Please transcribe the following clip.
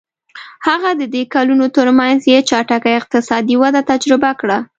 هغه د دې کلونو ترمنځ یې چټکه اقتصادي وده تجربه کړه.